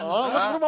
aku di jalan jalan